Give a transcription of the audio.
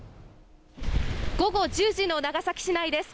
午後１０時の長崎市内です。